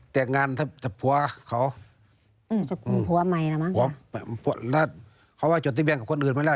แตกงานแต่ผัวเขาอืมสกุลผัวใหม่แล้วมั้งค่ะเขาว่าจนที่แบงก์กับคนอื่นไม่ได้